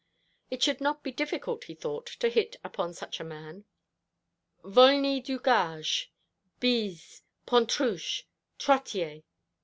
It should not be difficult, he thought, to hit upon such a man. "Volney Dugarge, Bize, Pontruche, Trottier.